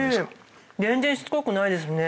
全然しつこくないですね。